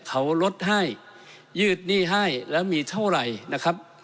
เขาลดให้ยืดหนี้ให้แล้วมีเท่าไหร่นะครับ